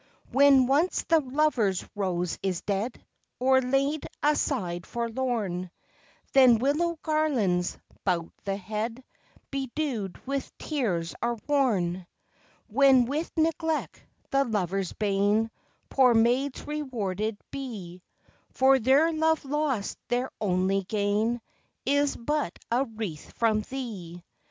When once the lover's rose is dead Or laid aside forlorn, Then willow garlands, 'bout the head, Bedew'd with tears, are worn. When with neglect, the lover's bane, Poor maids rewarded be, For their love lost their only gain Is but a wreath from thee.